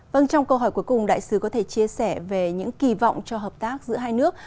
vâng trong câu hỏi cuối cùng đại sứ có thể chia sẻ về những kỳ vọng cho hợp tác giữa hai nước